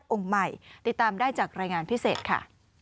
องค์ใหม่ติดตามได้จากรายงานพิเศษค่ะ